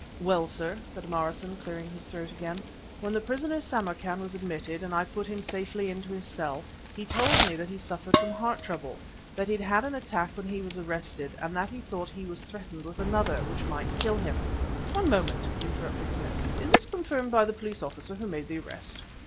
"Well, sir," said Morrison, clearing his throat again, "when the prisoner, Samarkan, was admitted, and I put him safely into his cell, he told me that he suffered from heart trouble, that he'd had an attack when he was arrested and that he thought he was threatened with another, which might kill him " "One moment," interrupted Smith, "is this confirmed by the police officer who made the arrest?"